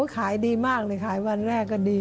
ขายดีมากเลยขายวันแรกก็ดี